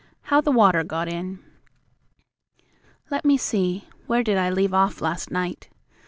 XIV HOW THE WATER GOT IN Let me see, where did I leave off last night?